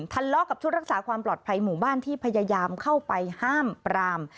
ทะเลาะกับชุดรักษาความปลอดภัยหมู่บ้านที่พยายามเข้าไปห้ามปราม